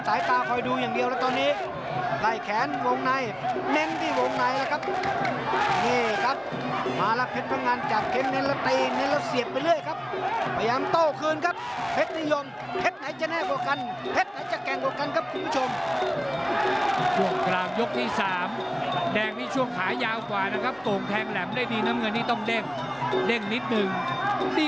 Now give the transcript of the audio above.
แต่ว่าถึงตรงนี้ผมก็ต้องวัดคันที่ระยะการเยือระยะละตอนนี้